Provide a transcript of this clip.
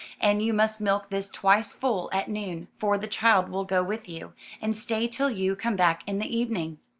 And you must milk this twice full at noon; for the child will go with you, and stay till you come back in the evening.